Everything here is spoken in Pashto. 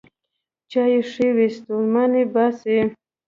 چای ښې وې، ستوماني باسي.